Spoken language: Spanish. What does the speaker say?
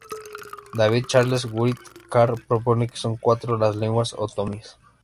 David Charles Wright Carr propone que son cuatro las lenguas otomíes.